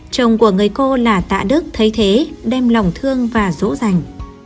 chồng của người cô là tạ đức thấy thế đem lòng thương và rỗ rành